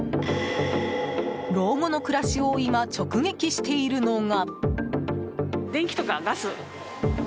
老後の暮らしを今直撃しているのが。